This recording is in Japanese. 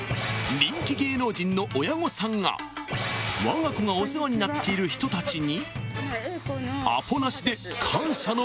［人気芸能人の親御さんがわが子がお世話になっている人たちに］